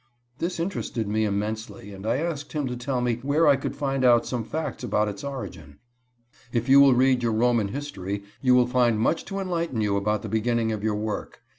This interested me immensely, and I asked him to tell me where I could find out some facts about its origin. "If you will read your Roman history you will find much to enlighten you about the beginning of your work."